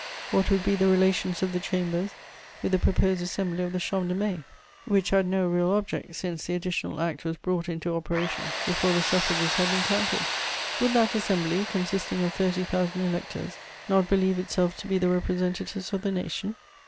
What would be the relations of the Chambers with the proposed assembly of the Champ de Mai, which had no real object, since the "Additional Act" was brought into operation before the suffrages had been counted? Would that assembly, consisting of thirty thousand electors, not believe itself to be the representatives of the nation?